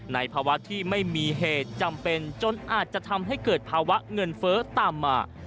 ภาวะที่ไม่มีเหตุจำเป็นจนอาจจะทำให้เกิดภาวะเงินเฟ้อตามมา